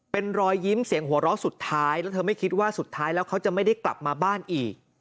เป็นรอยยิ้มเสียงหัวเราะสุดท้ายแล้วเธอไม่คิดว่าสุดท้ายแล้วเขาจะไม่ได้กลับมาบ้านอีก